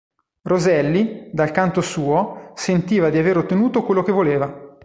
Roselli, dal canto suo, sentiva di aver ottenuto quello che voleva.